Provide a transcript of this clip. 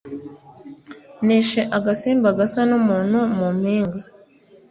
nishe agasimba gasa numuntu mu mpinga